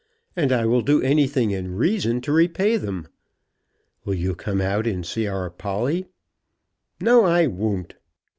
"And I will do anything in reason to repay them." "Will you come out and see our Polly?" "No, I won't."